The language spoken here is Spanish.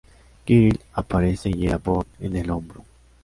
Kirill aparece y hiere a Bourne en el hombro.